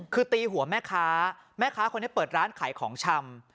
คือตีหัวแม่ค้าแม่ค้าคนนี้เปิดร้านขายของชำ